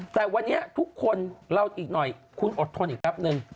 แต่วันนี้ทุกคนเราอีกหน่อยคุณอดทนอีกแป๊บนึง